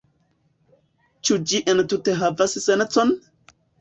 Ĉu ĝi entute havas sencon?